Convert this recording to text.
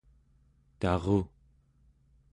taru